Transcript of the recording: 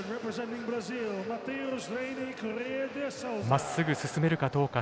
まっすぐ進めるかどうか。